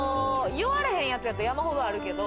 言われへんやつやったら山ほどあるけど。